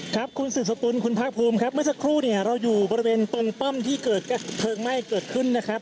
ครับคุณสืบสกุลคุณภาคภูมิครับเมื่อสักครู่เนี่ยเราอยู่บริเวณตรงป้อมที่เกิดเพลิงไหม้เกิดขึ้นนะครับ